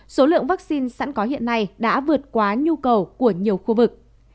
số lượng vaccine sẵn có hiện nay đã vượt quá nhu cầu của nhiều khu vực